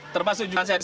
termasuk juga nasi